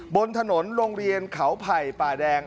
บนถนนโรงเรียนเขาไผ่ป่าแดง